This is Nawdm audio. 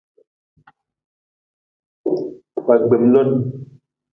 Wa gbem lon.